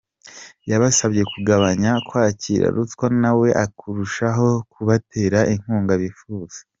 Yabasabye kugabanya kwakira ruswa na we akarushaho kubatera inkunga bifuza.